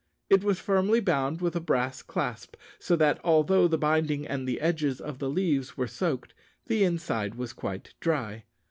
It was firmly bound with a brass clasp, so that, although the binding and the edges of the leaves were soaked, the inside was quite dry.